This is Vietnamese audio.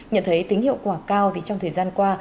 nhận thấy tính hiệu quả cao thì trong thời gian qua